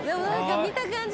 見た感じ